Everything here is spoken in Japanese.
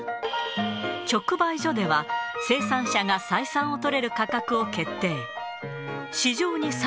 直売所では、生産者が採算を取れる価格を決定。